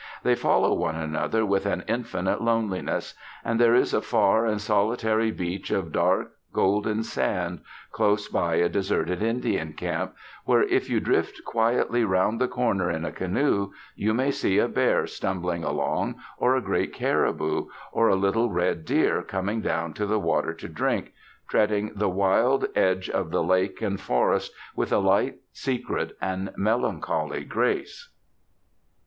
They follow one another with an infinite loneliness. And there is a far and solitary beach of dark, golden sand, close by a deserted Indian camp, where, if you drift quietly round the corner in a canoe, you may see a bear stumbling along, or a great caribou, or a little red deer coming down to the water to drink, treading the wild edge of lake and forest with a light, secret, and melancholy grace.